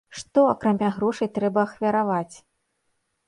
Што, акрамя грошай, трэба ахвяраваць?